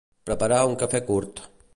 Preparar un cafè curt.